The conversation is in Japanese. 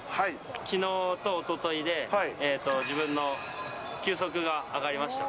きのうとおとといで、自分の球速が上がりました。